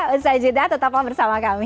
usha jeda tetap bersama kami